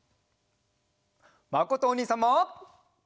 まことおにいさんも！